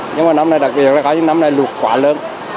nhưng mà năm nay đặc biệt là có những năm nay lục quá lớn